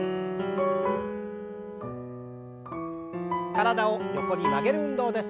体を横に曲げる運動です。